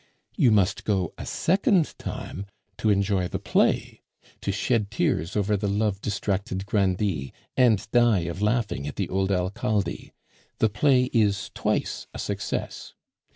You must go a second time to enjoy the play, to shed tears over the love distracted grandee, and die of laughing at the old Alcalde. The play is twice a success.